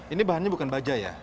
ini bahannya bukan baja ya